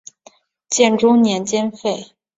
建中年间废。